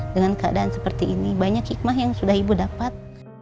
dengan keadaan seperti ini banyak hikmah yang sudah ibu dapat